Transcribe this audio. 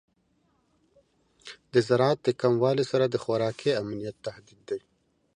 د زراعت د کموالی سره د خوراکي امنیت تهدید دی.